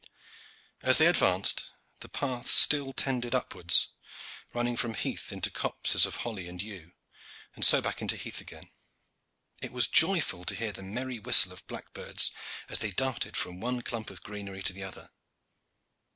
As they advanced, the path still tended upwards, running from heath into copses of holly and yew, and so back into heath again. It was joyful to hear the merry whistle of blackbirds as they darted from one clump of greenery to the other.